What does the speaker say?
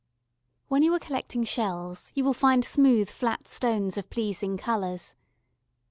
When you are collecting shells, you will find smooth flat stones of pleasing colours.